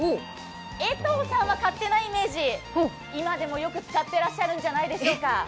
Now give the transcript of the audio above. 江藤さんは、勝手なイメージ、今でもよく使ってらっしゃるんじゃないでしょうか。